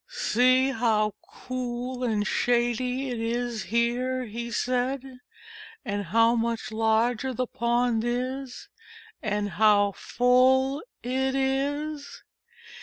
"See how cool and shady it is here," he said, "and how much larger the pond is, and how full it is!"